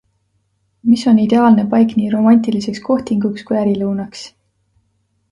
Mis on ideaalne paik nii romantiliseks kohtinguks kui ärilõunaks?